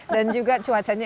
dan juga cuacanya